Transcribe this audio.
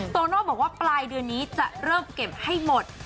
โตโน่บอกว่าปลายเดือนนี้จะเริ่มเก็บให้หมด